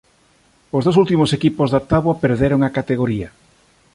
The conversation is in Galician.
Os dous últimos equipos da táboa perderon a categoría.